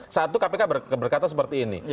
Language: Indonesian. saat itu kpk berkata seperti ini